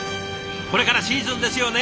これからシーズンですよね。